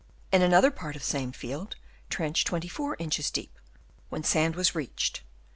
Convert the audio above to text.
In another part of the same field, trench 24 inches deep, when sand was reached